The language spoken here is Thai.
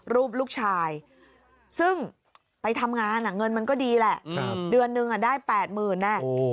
รูปลูกชายซึ่งไปทำงานเงินมันก็ดีแหละเดือนนึงได้๘๐๐๐แน่